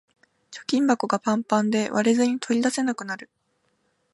貯金箱がパンパンで割れずに取り出せなくなる